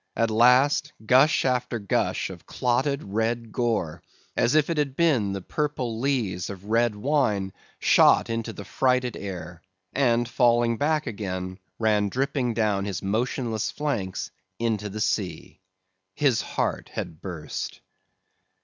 At last, gush after gush of clotted red gore, as if it had been the purple lees of red wine, shot into the frighted air; and falling back again, ran dripping down his motionless flanks into the sea. His heart had burst!